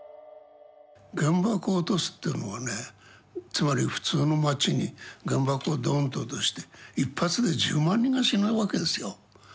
原爆を落とすというのはねつまり普通の町に原爆をドーンと落として一発で１０万人が死ぬわけですよ。